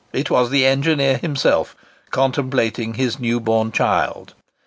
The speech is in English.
It was the engineer himself, contemplating his new born child.